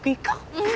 うん！